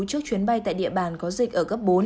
trước chuyến bay tại địa bàn có dịch ở cấp bốn